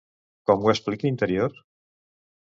Com ho explica Interior?